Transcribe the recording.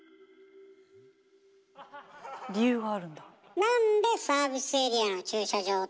理由があるんだ。